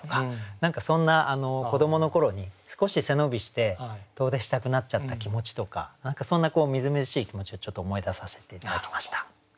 何かそんな子どもの頃に少し背伸びして遠出したくなっちゃった気持ちとか何かそんなみずみずしい気持ちをちょっと思い出させて頂きました。